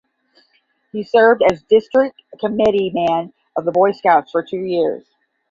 He served as district committeeman of the Boy Scouts for two years.